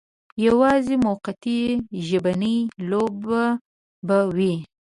یوازې موقتي ژبنۍ لوبه به وي.